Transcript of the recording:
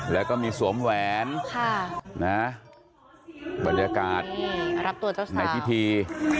แล้วก็มีสวมแหวนบรรยากาศรับตัวเจ้าสาวในพิธี